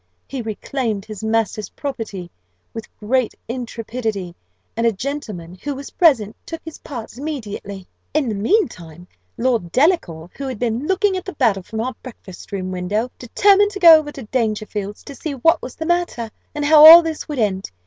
He reclaimed his master's property with great intrepidity; and a gentleman who was present took his part immediately. "In the mean time, Lord Delacour, who had been looking at the battle from our breakfast room window, determined to go over to Dangerfield's, to see what was the matter, and how all this would end.